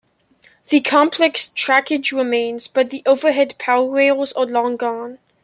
The complex trackage remains, but the overhead power rails are long gone.